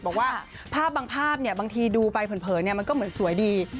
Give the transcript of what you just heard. บอกว่าภาพบางภาพบางทีดูไปเผินมันก็เหมือนสวยดี